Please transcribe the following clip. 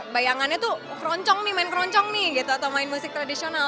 bayangannya tuh keroncong nih main keroncong nih gitu atau main musik tradisional